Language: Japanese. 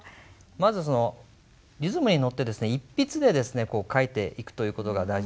まずリズムに乗って一筆で書いていくという事が大事なんですね。